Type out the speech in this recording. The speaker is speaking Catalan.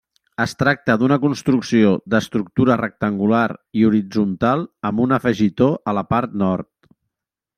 Es tracta d'una construcció d'estructura rectangular i horitzontal amb un afegitó a la part nord.